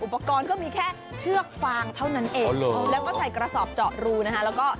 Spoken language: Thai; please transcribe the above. ปกรณ์ก็มีแค่เชือกฟางเท่านั้นเองแล้วก็ใส่กระสอบเจาะรูนะคะแล้วก็